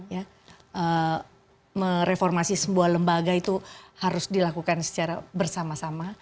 ya reformasi sebuah lembaga itu harus dilakukan secara bersama sama